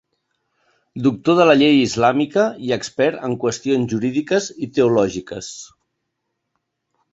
Doctor de la llei islàmica i expert en qüestions jurídiques i teològiques.